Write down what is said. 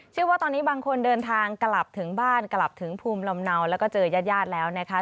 ว่าตอนนี้บางคนเดินทางกลับถึงบ้านกลับถึงภูมิลำเนาแล้วก็เจอญาติญาติแล้วนะคะ